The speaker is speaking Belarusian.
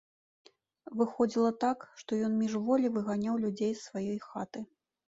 Выходзіла так, што ён міжволі выганяў людзей з сваёй хаты.